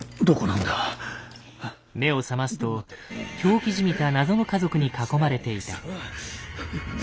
目を覚ますと狂気じみた謎の家族に囲まれていた。